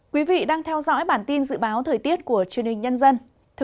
quý vị đang theo dõi bản tin dự báo thời tiết của truyền hình nhân dân